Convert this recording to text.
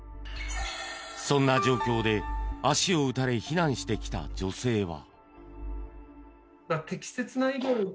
そんな状況で足を撃たれ避難してきた女性は。